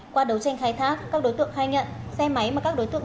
qua đấu tranh khai thác các đối tượng khai nhận xe máy mà các đối tượng